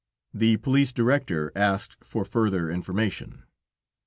The police director asked for further information.